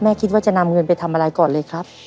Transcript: คิดว่าจะนำเงินไปทำอะไรก่อนเลยครับ